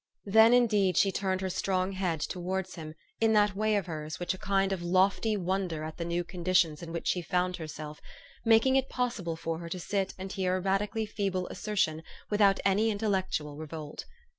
Then, indeed, she turned her strong head towards him, in that way of hers, with a kind of lofty won der at the new conditions in which she found herself, making it possible for her to sit and hear a radically feeble assertion without any intellectual revolt.